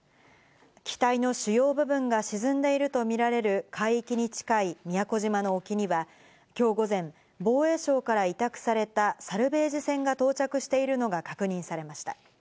機体の主要部分が沈んでいるとみられる海域に近い宮古島の沖には、今日午前、防衛省から委託されたサルベージ船が到着しているのが確認されました。